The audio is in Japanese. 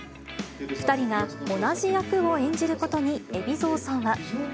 ２人が同じ役を演じることに、海老蔵さんは。